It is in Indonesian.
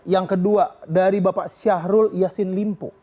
yang kedua dari bapak syahrul yassin limpo